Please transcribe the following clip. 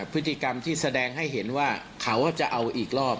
พฤติกรรมที่แสดงให้เห็นว่าเขาจะเอาอีกรอบ